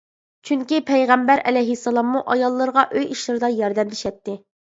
چۈنكى پەيغەمبەر ئەلەيھىسسالاممۇ ئاياللىرىغا ئۆي ئىشلىرىدا ياردەملىشەتتى.